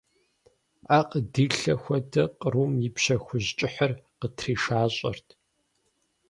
Ӏэ къыдилъэ хуэдэ, кърум и пщэ хужь кӀыхьыр къытришащӀэрт.